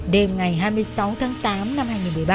đêm ngày hai mươi sáu tháng tám năm hai nghìn một mươi ba